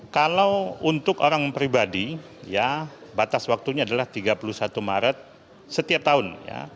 kalau untuk orang pribadi ya batas waktunya adalah tiga puluh satu maret setiap tahun